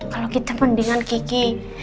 kalau kita mendingan kiki